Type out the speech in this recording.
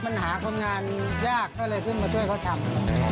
มันหาคนงานยากก็เลยขึ้นมาช่วยเขาทำ